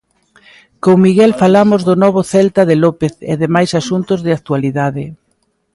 Con Miguel falamos do novo Celta de López e de máis asuntos de actualidade.